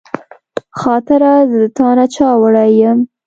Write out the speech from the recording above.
خاطره زه د تا نه چاوړی یم